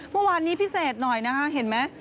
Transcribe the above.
เมื่อวานนี้พิเศษหน่อยนะคะเห็นไหม